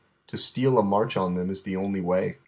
To steal a mai ch on them is the only way.